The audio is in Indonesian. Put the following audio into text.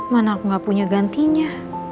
mana aku gak punya gantinya